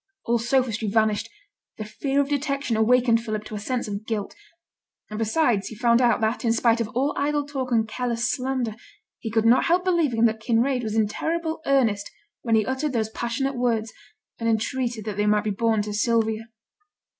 All sophistry vanished; the fear of detection awakened Philip to a sense of guilt; and, besides, he found out, that, in spite of all idle talk and careless slander, he could not help believing that Kinraid was in terrible earnest when he uttered those passionate words, and entreated that they might be borne to Sylvia.